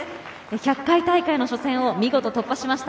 １００回大会の初戦を見事突破しました。